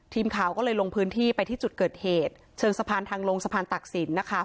ทีมข่าวก็เลยลงพื้นที่ไปที่จุดเกิดเหตุเชิงสะพานทางลงสะพานตักศิลป์นะคะ